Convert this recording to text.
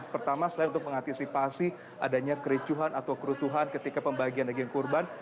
pertama selain untuk mengantisipasi adanya kericuhan atau kerusuhan ketika pembagian daging kurban